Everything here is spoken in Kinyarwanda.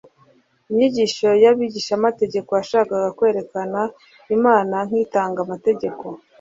Inyigisho y'abigishamategeko yashakaga kwerekana Imana nk' itanga amategeko